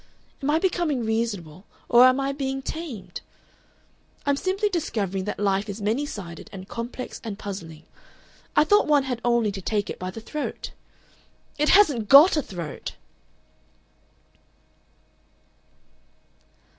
"Am I becoming reasonable or am I being tamed? "I'm simply discovering that life is many sided and complex and puzzling. I thought one had only to take it by the throat. "It hasn't GOT a throat!"